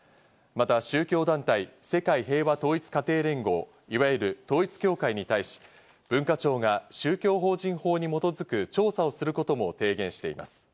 また宗教団体・世界平和統一家庭連合、いわゆる統一教会に対し、文化庁が宗教法人法に基づく調査をすることも提言しています。